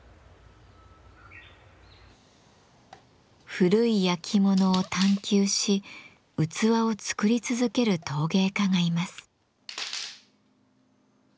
古いやきものを探求し器を作り続ける陶芸家がいます。